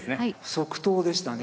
即答でしたね。